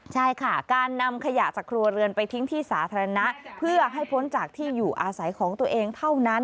ใช่ค่ะการนำขยะจากครัวเรือนไปทิ้งที่สาธารณะเพื่อให้พ้นจากที่อยู่อาศัยของตัวเองเท่านั้น